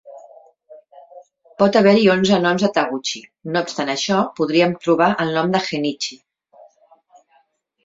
Pot haver-hi onze noms de Taguchi, no obstant això podríem trobar el nom de Genichi.